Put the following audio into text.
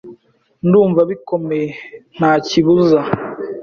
Ndumva bikomeye, ntakibuza